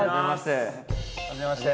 はじめまして。